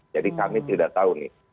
kami tidak tahu nih